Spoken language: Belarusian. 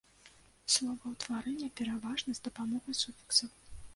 Словаўтварэнне пераважна з дапамогай суфіксаў.